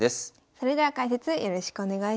それでは解説よろしくお願いします。